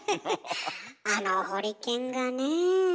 あのホリケンがねえ。